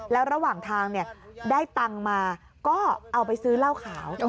แล้วระหว่างทางได้ตังค์มาก็เอาไปซื้อเหล้าขาว